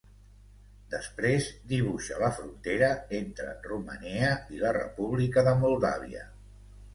Després, dibuixa la frontera entre Romania i la República de Moldàvia.